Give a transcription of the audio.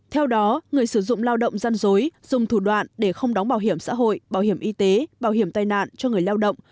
theo đó người sử dụng lao động gian dối dùng thủ đoạn để không đóng bảo hiểm xã hội bảo hiểm y tế bảo hiểm tai nạn cho người lao động